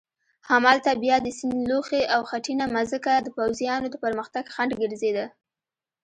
همالته بیا د سیند لوخې او خټینه مځکه د پوځیانو د پرمختګ خنډ ګرځېده.